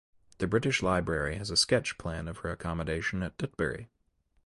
The British Library has a sketch plan of her accommodation at Tutbury.